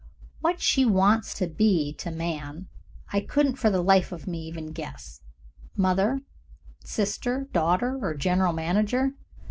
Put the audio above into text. What she wants to be to man I couldn't for the life of me even guess mother, sister, daughter, or general manager.